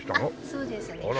そうですねはい。